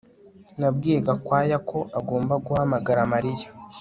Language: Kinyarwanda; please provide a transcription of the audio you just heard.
Nabwiye Gakwaya ko agomba guhamagara Mariya